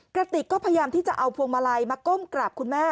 กระติกก็พยายามที่จะเอาพวงมาลัยมาก้มกราบคุณแม่